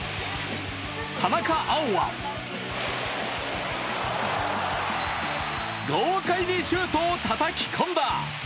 田中碧は豪快にシュートをたたき込んだ。